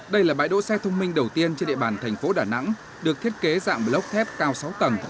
đây là bãi đỗ xe thông minh đầu tiên trên địa bàn thành phố đà nẵng được thiết kế dạng block thép cao sáu tầng